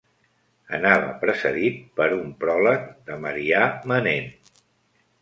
Anava precedit per un pròleg de Marià Manent.